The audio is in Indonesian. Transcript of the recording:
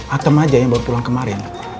atem aja yang baru pulang kemarin